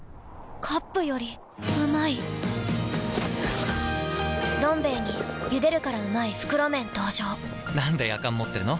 カップよりうまい「どん兵衛」に「ゆでるからうまい！袋麺」登場なんでやかん持ってるの？